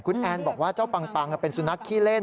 คุณแอนบอกว่าเจ้าปังเป็นสุนัขขี้เล่น